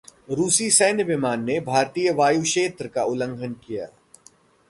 रूसी सैन्य विमान ने भारतीय वायुक्षेत्र का उल्लंघन किया